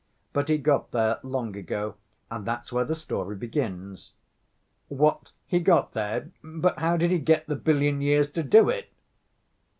But he got there long ago, and that's where the story begins." "What, he got there? But how did he get the billion years to do it?"